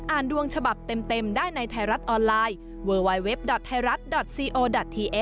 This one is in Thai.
อ่านดวงฉบับเต็มเต็มได้ในไทยรัฐออนไลน์